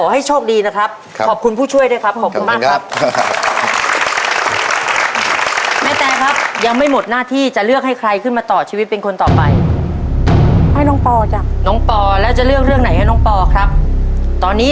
ให้กำลังใจเค้าสักหน่อยสิ